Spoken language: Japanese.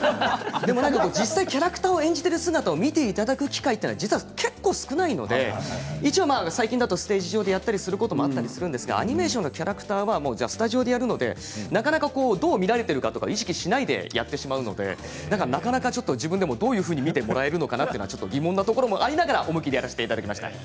実際、キャラクターを演じている姿を見ていただく機会結構少ないので最近だとステージ上でやったりすることもあったりするんですがアニメーションのキャラクターはスタジオでやるのでなかなかどう見られているか意識しないでやってしまうのでなかなか自分でもどういうふうに見てもらえるのかなと疑問なところもありながら思い切りやらせていただきました。